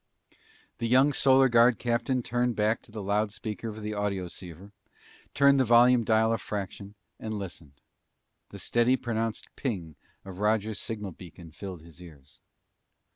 The young Solar Guard captain turned back to the loud speaker of the audioceiver, turned the volume dial a fraction, and listened. The steady pronounced ping of Roger's signal beacon filled his ears.